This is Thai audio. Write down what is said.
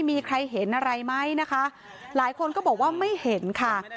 มีใครเห็นอะไรไหมนะคะหลายคนก็บอกว่าไม่เห็นค่ะ